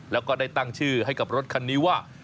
แล้วก็ได้ตั้งชื่อให้กับรถคันนี้ว่า